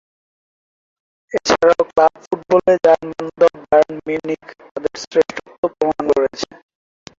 এছাড়াও ক্লাব ফুটবলে জার্মান দল বায়ার্ন মিউনিখ তাদের শ্রেষ্ঠত্ব প্রমাণ করেছে।